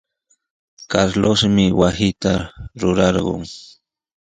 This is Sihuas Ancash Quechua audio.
Carlosmi wasita rurarqun.